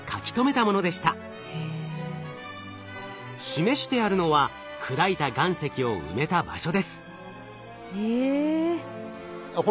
示してあるのは砕いた岩石を埋めた場所です。え。